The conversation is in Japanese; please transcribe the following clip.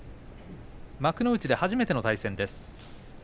幕内で初めての対戦です。